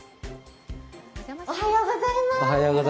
おはようございます。